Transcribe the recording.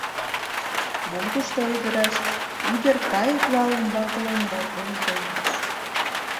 Мом тушто ойгыраш, — ӱдыр кайыкла умбакыла муралтен колтыш: